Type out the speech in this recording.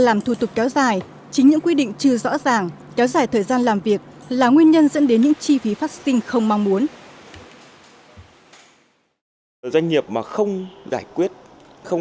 làm thủ tục kéo dài chính những quy định trừ rõ ràng kéo dài thời gian làm việc là nguyên nhân dẫn đến những chi phí phát sinh không mong muốn